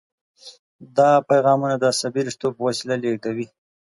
دا پیغامونه د عصبي رشتو په وسیله لیږدوي.